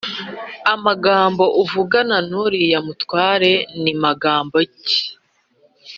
«amagambo uvugana n'uriya mutwa ni magambo ki ?